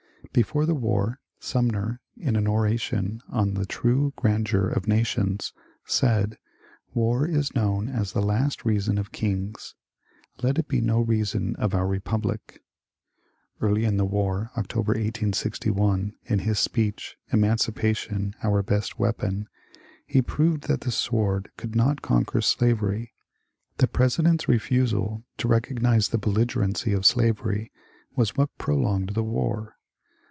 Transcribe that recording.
Before the war Sumner, in an oration on " The True Gran deur of Nations," said :^^ War is known as the Last Reason of Kings. Let it be no reason of our Bepublic !" Early in the war, October, 1861, in his speech ^^ Emancipation our best Weapon," he proved that the sword could not conquer slav ery. The President's refusal to recognize the ^^ belligerency " of slavery was what prolonged the war.